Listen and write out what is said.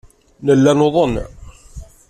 Nella nuḍen.